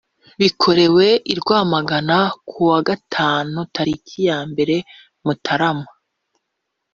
Bikorewe irwamagana kuwa gatanu tariki yambere mutarama